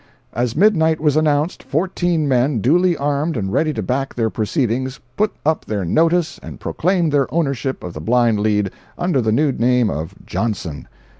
] As midnight was announced, fourteen men, duly armed and ready to back their proceedings, put up their "notice" and proclaimed their ownership of the blind lead, under the new name of the "Johnson."